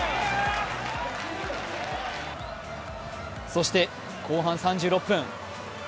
そして、後半３６分。